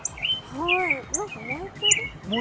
何か燃えてる？